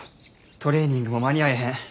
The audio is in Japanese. トレーニングも間に合えへん。